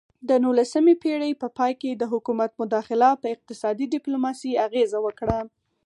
د نولسمې پیړۍ په پای کې د حکومت مداخله په اقتصادي ډیپلوماسي اغیزه وکړه